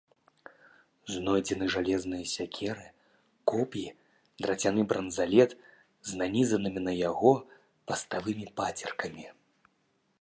Знойдзены жалезныя сякеры, коп'і, драцяны бранзалет з нанізанымі на яго паставымі пацеркамі.